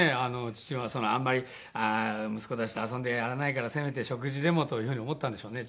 父はあんまり息子たちと遊んでやれないからせめて食事でもという風に思ったんでしょうね。